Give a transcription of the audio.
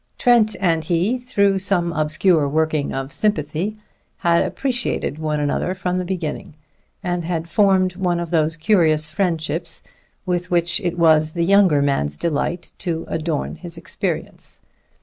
Trent and he, through some obscure working of sympathy, had appreciated one another from the beginning, and had formed one of those curious friendships with which it was the younger man's delight to adorn his experience.